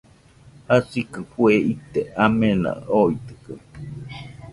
Jasikɨ fue ite amena oitɨkaɨ